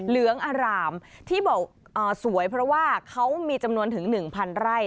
เหลืองอารามที่บอกสวยเพราะว่าเขามีจำนวนถึง๑๐๐ไร่